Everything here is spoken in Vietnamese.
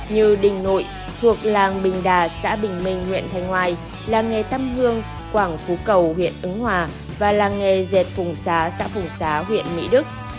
như đình nội thuộc làng bình đà xã bình minh huyện thanh ngoài làng nghề tâm hương quảng phú cầu huyện ứng hòa và làng nghề dệt phùng xá xã phùng xá huyện mỹ đức